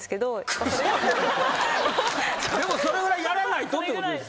でもそれぐらいやらないとってことですよね？